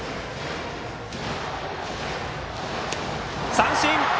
三振！